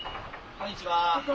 こんにちは。